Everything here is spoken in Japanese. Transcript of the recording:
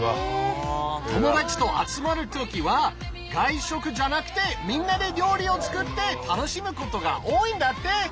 友達と集まる時は外食じゃなくてみんなで料理を作って楽しむことが多いんだって！